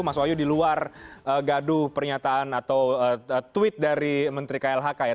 mas wahyu di luar gaduh pernyataan atau tweet dari menteri klhk ya